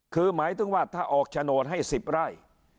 คือหมายถึงว่าถ้าให้สิบไร้